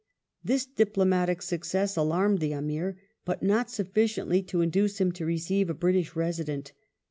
This diplomatic success alarmed the Amir, but not suffici ently to induce him to receive a British Resident.